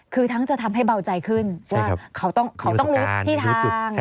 คือทั้งจะทำให้เบาใจขึ้นว่าเขาต้องรู้ที่ทาง